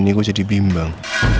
jadi gue jadi bimbang